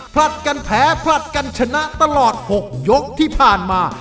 ผลัดกันแพ้ผลัดกันชนะตลอด๖ยกที่ผ่านมา